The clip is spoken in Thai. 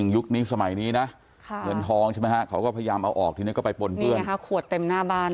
ยุคนี้สมัยนี้เงินทองเขาก็พยายามเอาออกทีนี้ก็ไปปล้นเพื่อน